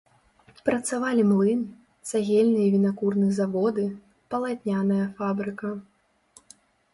Працавалі млын, цагельны і вінакурны заводы, палатняная фабрыка.